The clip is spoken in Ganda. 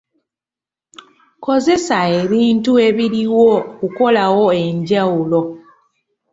Kozesa ebintu ebiriwo okukolawo enjawulo.